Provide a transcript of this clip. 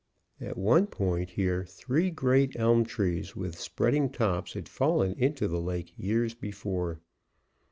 At one point here three great elm trees with spreading tops had fallen into the lake years before.